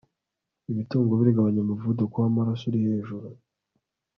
ibitunguru bigabanya umuvuduko w'amaraso uri hejuru